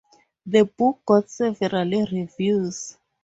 The book got several reviews.